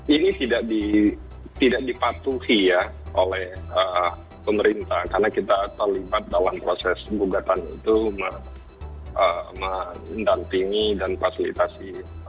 ini tidak dipatuhi ya oleh pemerintah karena kita terlibat dalam proses gugatan itu mendampingi dan fasilitasi